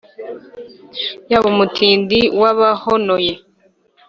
Yaba umutindi wabahonoye